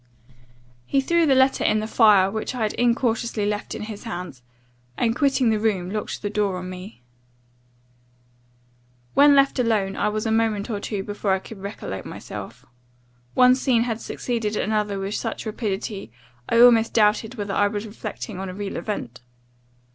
"He threw the letter in the fire, which I had incautiously left in his hands; and, quitting the room, locked the door on me. "When left alone, I was a moment or two before I could recollect myself One scene had succeeded another with such rapidity, I almost doubted whether I was reflecting on a real event.